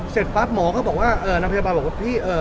เสร็และน้ำพยาบาปพี่สู้